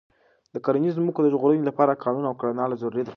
د کرنیزو ځمکو د ژغورنې لپاره قانون او کړنلاره ضروري ده.